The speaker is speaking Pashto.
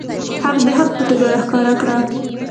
حق د حق په توګه راښکاره کړه.